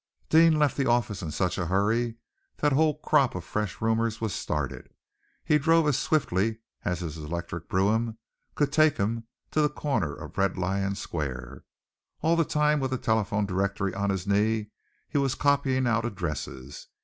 Deane left the office in such a hurry that a whole crop of fresh rumors were started. He drove as swiftly as his electric brougham could take him to the corner of Red Lion Square. All the time with a telephone directory on his knee, he was copying out addresses.